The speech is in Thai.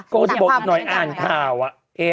ก็ก็บอกอีกหน่อยหน่อยอ่านข่าวอะ